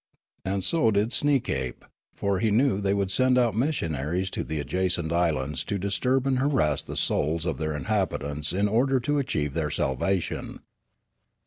And so did Sneekape ; for he knew that they would Meddla 195 send out missionaries to the adjacent islands to disturb and harass the souls of their inhabitants in order to achieve their sah^ation.